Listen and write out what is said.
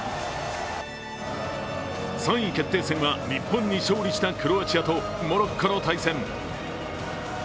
３位決定戦は日本に勝利したクロアチアとモロッコの対戦。